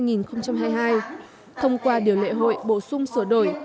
nhiệm ký hai nghìn một mươi bảy hai nghìn hai mươi hai thông qua điều lệ hội bổ sung sửa đổi